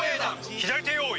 左手用意！